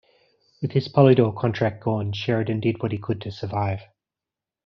With his Polydor contract gone, Sheridan did what he could to survive.